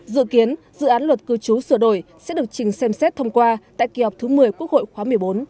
dự kiến dự án luật cư trú sửa đổi sẽ được trình xem xét thông qua tại kỳ họp thứ một mươi quốc hội khóa một mươi bốn